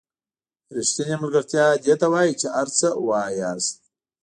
ریښتینې ملګرتیا دې ته وایي چې هر څه وایئ.